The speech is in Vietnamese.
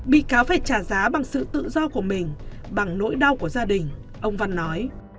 bị cáo phải trả giá bằng sự tự do của mình bằng nỗi đau của gia đình ông văn nói